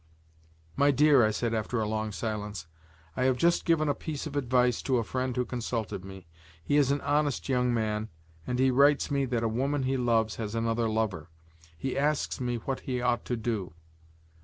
"My dear," I said after a long silence, "I have just given a piece of advice to a friend who consulted me. He is an honest young man, and he writes me that a woman he loves has another lover. He asks me what he ought to do."